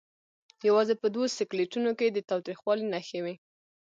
یوازې په دوو سکلیټونو کې د تاوتریخوالي نښې وې.